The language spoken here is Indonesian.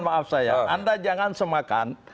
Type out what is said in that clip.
maaf saya anda jangan semakan